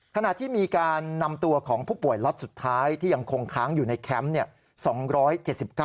ขณะที่มีการนำตัวของผู้ป่วยล็อตสุดท้ายที่ยังคงค้างอยู่ในแคมป์เนี่ย